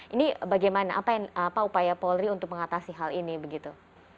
ini bagaimana apa upaya polri untuk mengatasi hal ini begitu